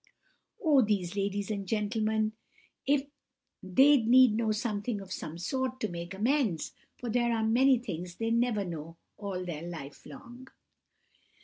"Oh, these ladies and gentlemen! they'd need know something of some sort to make amends, for there are many things they never know all their life long!